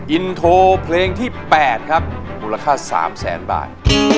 อินโทรเพลงที่๘ครับมูลค่า๓แสนบาท